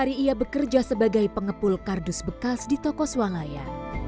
saya kerja sebagai pengepul kardus bekas di toko swalaya